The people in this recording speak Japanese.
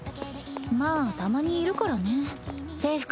まあたまにいるからね制服